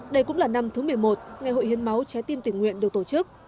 đây cũng là năm thứ một mươi một ngày hội hiến máu trái tim tình nguyện được tổ chức